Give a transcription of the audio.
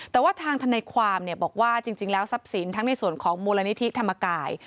แต่ว่าทางทนายความบอกว่าจริงแล้วทรัพย์สินทั้งในส่วนของมูลนิธิธรรมกาย